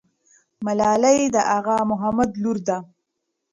ملالۍ د اغا محمد لور ده.